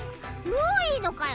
もういいのかよ！